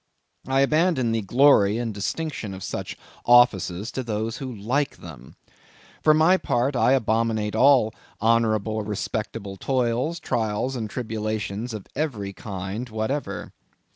I abandon the glory and distinction of such offices to those who like them. For my part, I abominate all honorable respectable toils, trials, and tribulations of every kind whatsoever.